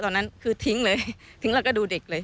ตอนนั้นคือทิ้งเลยทิ้งแล้วก็ดูเด็กเลย